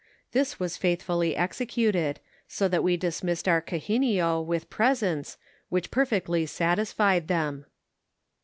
This was faithfully executed, so that we dis missed our Oabinnio with presents, which perfectly satisfied them.